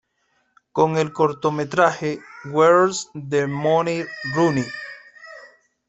Con el cortometraje "Where's The Money, Ronnie?